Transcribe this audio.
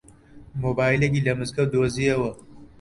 مۆبایلێکی لە مزگەوت دۆزییەوە.